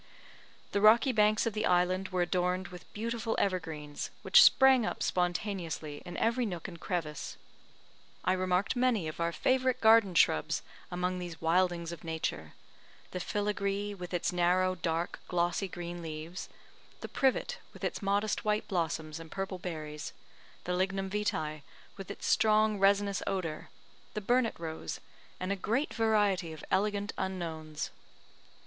The rocky banks of the island were adorned with beautiful evergreens, which sprang up spontaneously in every nook and crevice. I remarked many of our favourite garden shrubs among these wildings of nature: the fillagree, with its narrow, dark glossy green leaves; the privet, with its modest white blossoms and purple berries; the lignum vitae, with its strong resinous odour; the burnet rose, and a great variety of elegant unknowns.